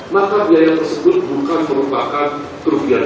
maka biaya tersebut bukan merupakan kerugian